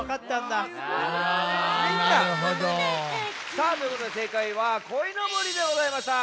さあということでせいかいは「こいのぼり」でございました。